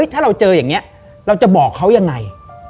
ถ้าเราเจออย่างนี้เราจะบอกเขายังไง